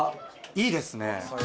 いいですね。